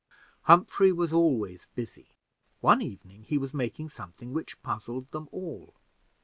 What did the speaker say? Humphrey was always busy. One evening he was making something which puzzled them all.